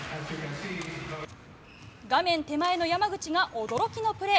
画面手前の山口が驚きのプレー。